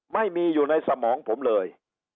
ไม่มีอยู่ในสมองผมเลย